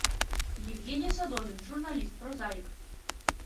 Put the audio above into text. Евгений Садовин — журналист, прозаик.